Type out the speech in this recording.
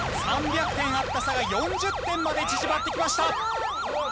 ３００点あった差が４０点まで縮まってきました。